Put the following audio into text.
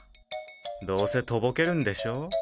どうせとぼけるんでしょ？